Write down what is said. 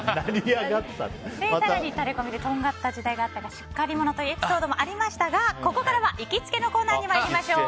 更にタレコミでとんがった時代があったがしっかり者というエピソードもありましたがここからは行きつけのコーナーに参りましょう。